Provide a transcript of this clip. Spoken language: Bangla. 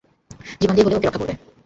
জীবন দিয়ে হলেও ওকে রক্ষা করবে।